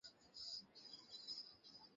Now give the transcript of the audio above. আপনি ফ্রেশ হলে আমার গাড়িতে আপনাকে নিয়ে যেতে পারি।